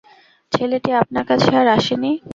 ছেলেটি আপনার কাছে আর আসে নি?